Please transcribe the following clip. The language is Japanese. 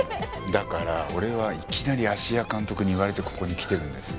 だから俺はいきなり芦屋監督に言われてここに来てるんです。